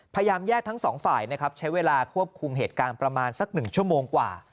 พยายามแยกทั้งสองฝ่ายนะครับใช้เวลาควบคุมเหตุการณ์ประมาณสัก๑ชั่วโมงกว่า